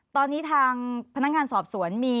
ตอนนี้ทางพนักงานสอบสวนมี